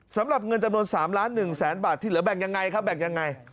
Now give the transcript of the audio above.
สำหรับเงินจำนวน๓ล้าน๑แสนบาทที่เหลือแบ่งยังไงครับแบ่งยังไง